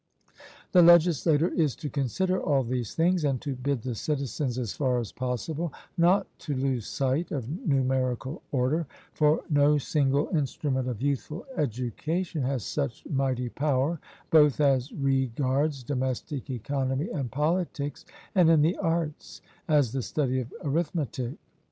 The legislator is to consider all these things and to bid the citizens, as far as possible, not to lose sight of numerical order; for no single instrument of youthful education has such mighty power, both as regards domestic economy and politics, and in the arts, as the study of arithmetic.